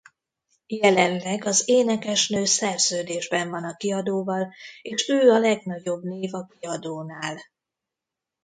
Jelenleg az énekesnő szerződésben van a kiadóval és Ő a legnagyobb név a kiadónál.